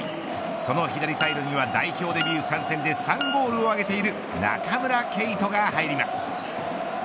その左サイドには代表デビュー３戦で３ゴールを挙げている中村敬斗が入ります。